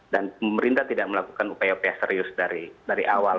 dan pemerintah tidak melakukan upaya upaya serius dari awal